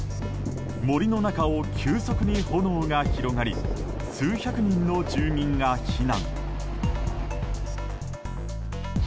森の中を急速に炎が広がり数百人の住民が避難。